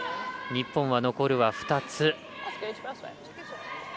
日本は残るは２つ。